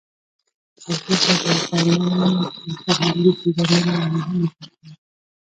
تودوخه د افغانانو د فرهنګي پیژندنې یوه مهمه برخه ده.